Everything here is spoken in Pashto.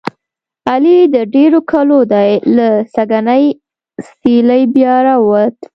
علي د ډېرو کلو دی. له سږنۍ څېلې بیا را ووت.